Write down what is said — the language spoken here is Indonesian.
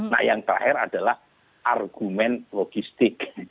nah yang terakhir adalah argumen logistik